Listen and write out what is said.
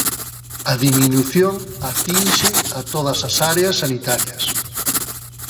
A diminución atinxe a todas as áreas sanitarias.